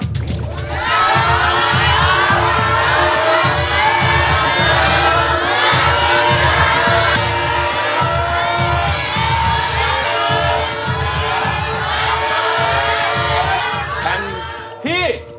ใช่